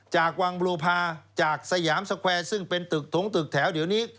จากวังบลูพาจากสยามสแควร์ซึ่งเป็นตึกถงตึกแถวเดี๋ยวนี้